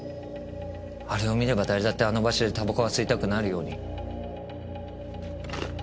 あれを見れば誰だってあの場所で煙草が吸いたくなるように。